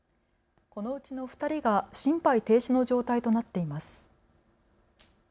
このうちの２人が心肺停止の状態となっています。